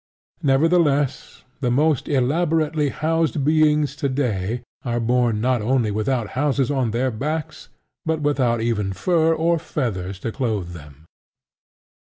Nevertheless, the most elaborately housed beings today are born not only without houses on their backs but without even fur or feathers to clothe them.